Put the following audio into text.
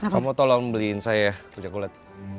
kamu tolong beliin saya rujak mulut